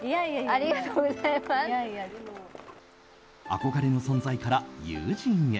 憧れの存在から友人へ。